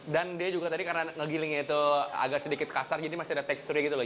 dan dia juga tadi karena ngegilingnya itu agak sedikit kasar jadi masih ada teksturnya gitu loh